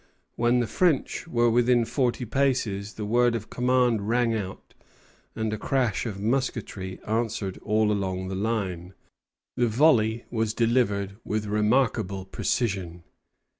When the French were within forty paces the word of command rang out, and a crash of musketry answered all along the line. The volley was delivered with remarkable precision.